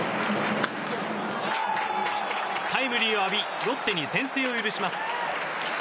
タイムリーを浴びロッテに先制を許します。